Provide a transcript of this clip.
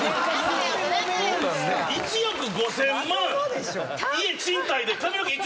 １億５，０００万